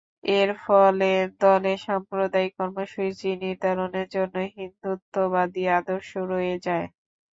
এর ফলে দলের সাম্প্রদায়িক কর্মসূচি নির্ধারণের জন্য হিন্দুত্ববাদী আদর্শ রয়ে যায়।